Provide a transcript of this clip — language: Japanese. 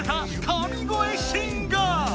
神声シンガー